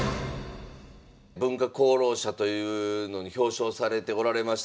文化功労者というのに表彰されておられました。